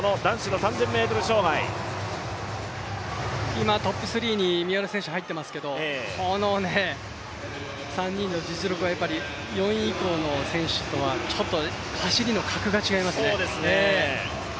今、トップ３に三浦選手入っていますけどこの３人の実力は４位以降の選手とはちょっと走りの格が違いますね。